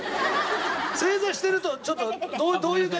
正座してるとちょっとどういう感じ？